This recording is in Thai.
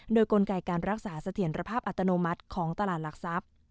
โดยกลไกการรักษาเสถียรภาพอัตโนมัติของตลาดหลักทรัพย์